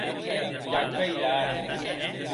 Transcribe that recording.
Ja ac veiràs.